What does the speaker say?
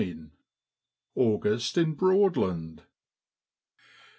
AUGUST IN BKOADLAND.